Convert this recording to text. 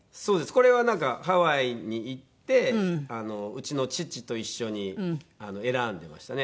これはなんかハワイに行ってうちの父と一緒に選んでましたね